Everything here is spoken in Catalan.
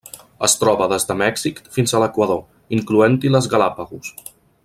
Es troba des de Mèxic fins a l'Equador, incloent-hi les Galápagos.